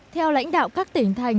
theo lãnh đạo các tỉnh thành